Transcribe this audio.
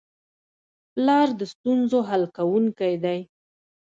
پلار د ستونزو حل کوونکی دی.